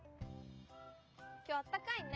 今日あったかいね。